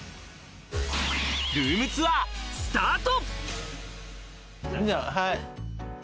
ルームツアースタート。